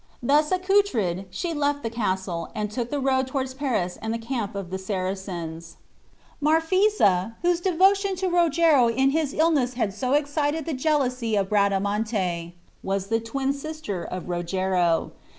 Thus accoutred, she left the castle, and took the road toward Paris and the camp of the Saracens. Marphisa, whose devotion to Rogero in his illness had so excited the jealousy of Bradamante, was the twin sister of Rogero.